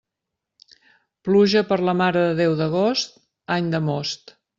Pluja per la Mare de Déu d'agost, any de most.